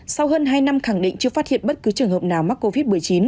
sau hơn hai năm khẳng định chưa phát hiện bất cứ trường hợp nào mắc covid một mươi chín